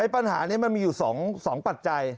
ปัญหานี้มันมีอยู่๒ปัจจัย